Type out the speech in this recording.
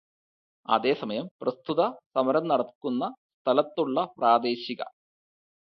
അതേസമയം, പ്രസ്തുത സമരം നടക്കുന്ന സ്ഥലത്തുള്ള പ്രാദേശിക